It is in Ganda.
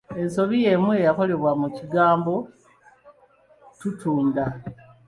Ensobi y’emu yakolebwa mu kigambo ‘tuutunda’